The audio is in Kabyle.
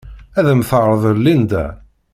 Ad am-t-terḍel Linda.